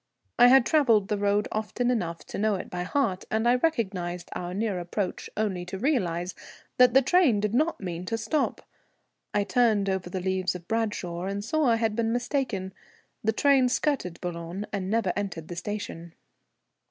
I had travelled the road often enough to know it by heart, and I recognized our near approach only to realize that the train did not mean to stop. I turned over the leaves of Bradshaw and saw I had been mistaken; the train skirted Boulogne and never entered the station.